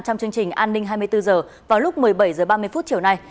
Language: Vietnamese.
trong chương trình an ninh hai mươi bốn h vào lúc một mươi bảy h ba mươi chiều nay